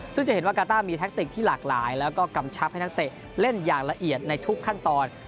ซึ่งจะเห็นว่ากาต้ามีแท็กติกที่หลากหลายแล้วก็กำชับให้นักเตะเล่นอย่างละเอียดในทุกขั้นตอน